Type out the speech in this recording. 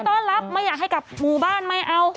ต้อนรับไม่อยากให้กลับหมู่บ้านไม่เอา